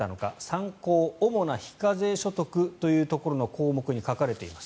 参考、主な非課税所得というところの項目に書かれています。